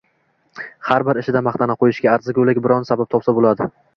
Har bir ishida maqtab qo‘yishga arzigulik biron sabab topsa bo‘ladi